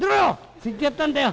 そう言ってやったんだよ。